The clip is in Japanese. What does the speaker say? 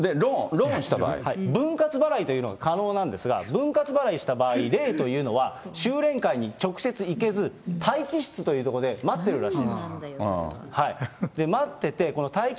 分割払いというのが可能なんですが、分割払いした場合、霊というのは、修錬会に直接行けず、待機室という所で待っているらしいです。